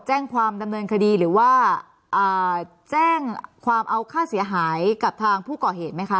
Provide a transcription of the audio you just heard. แจ้งความดำเนินคดีหรือว่าแจ้งความเอาค่าเสียหายกับทางผู้ก่อเหตุไหมคะ